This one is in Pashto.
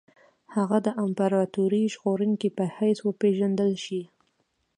هغه د امپراطوري ژغورونکي په حیث وپېژندل شي.